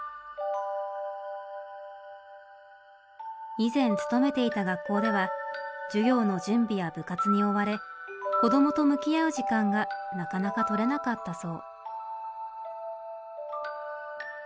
以前勤めていた学校では授業の準備や部活に追われ子どもと向き合う時間がなかなかとれなかったそう。